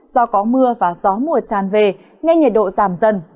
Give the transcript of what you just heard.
do có mưa và gió mùa tràn về nên nhiệt độ giảm dần